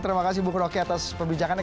terima kasih ibu kuroki atas perbincangannya